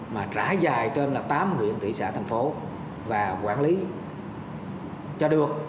mà trải dài trên là tám huyện thị xã thành phố và quản lý cho được